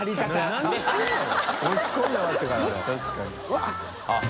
うわっ！